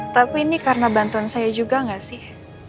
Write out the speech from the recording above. tapi ini karena bantuan saya juga nggak sih